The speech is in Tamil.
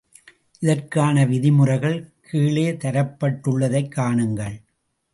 இதற்கான விதிமுறைகள் கீழே தரப்பட்டுள்ளதைக் காணுங்கள்.